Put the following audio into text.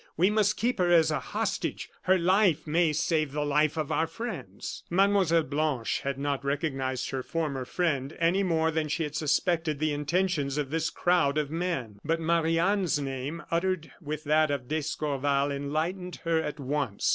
We must keep her as a hostage; her life may save the life of our friends." Mlle. Blanche had not recognized her former friend, any more than she had suspected the intentions of this crowd of men. But Marie Anne's name, uttered with that of d'Escorval enlightened her at once.